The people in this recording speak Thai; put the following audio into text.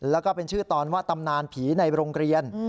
แล้วก็เป็นชื่อตอนว่าตำนานผีในโรงเรียน